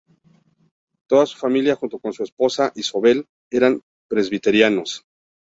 Toda su familia junto con su esposa Isobel eran presbiterianos.